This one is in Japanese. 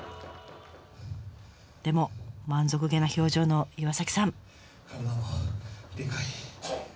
でも満足げな表情の岩さん。